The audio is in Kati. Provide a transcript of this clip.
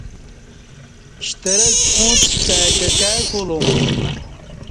شترک اڅ کای کہ کای کولوم